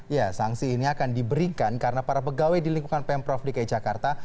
ya sanksi ini akan diberikan karena para pegawai di lingkungan pemprov dki jakarta